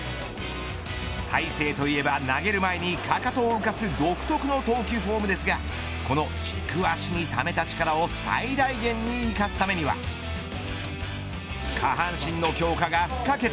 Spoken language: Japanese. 大勢といえば投げる前にかかとを浮かす独特の投球フォームですがこの軸足にためた力を最大限に生かすためには下半身の強化が不可欠。